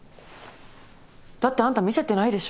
だってあんた見せてないでしょ。